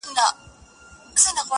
څه انګور او څه شراب څه میکدې سه،